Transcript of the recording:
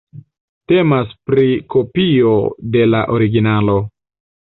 Temas pri kopio de la originalo.